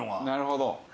なるほど。